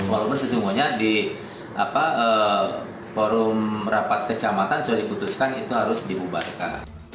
walaupun sesungguhnya di forum rapat kecamatan sudah diputuskan itu harus dibubarkan